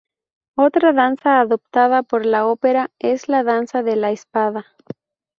Otra danza adoptada por la ópera es la danza de la espada.